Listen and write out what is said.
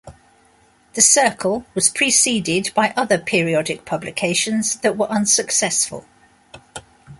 The Circle was preceded by other periodic publications that were unsuccessful.